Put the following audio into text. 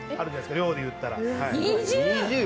量で言ったら。